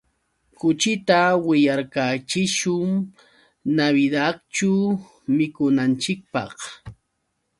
Kuchita wiraykachishun Navidadćhu mikunanchikpaq.